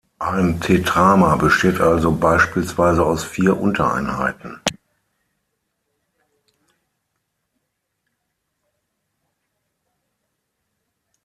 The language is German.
Ein "Tetramer" besteht also beispielsweise aus vier Untereinheiten.